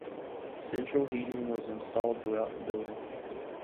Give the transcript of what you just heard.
Central heating was installed throughout the building.